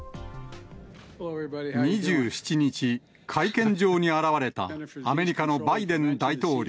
２７日、会見場に現れたアメリカのバイデン大統領。